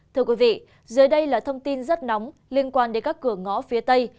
thưa quý vị dưới đây là thông tin rất nóng liên quan đến các cửa ngõ phía tây